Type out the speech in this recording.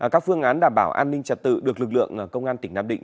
các phương án đảm bảo an ninh trật tự được lực lượng công an tỉnh nam định